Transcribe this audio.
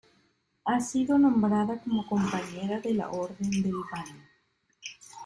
Ha sido nombrada como compañera de la Orden del Baño.